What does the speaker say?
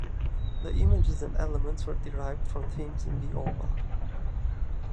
The images and elements were derived from themes in the opera.